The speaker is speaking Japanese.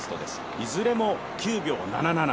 いずれも９秒７７。